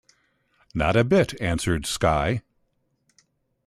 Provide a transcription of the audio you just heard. "Not a bit," answered Skye.